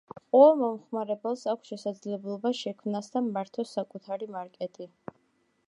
ყოველ მომხმარებელს აქვს შესაძლებლობა შექმნას და მართოს საკუთარი მარკეტი.